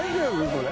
これ。